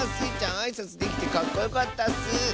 あいさつできてかっこよかったッス！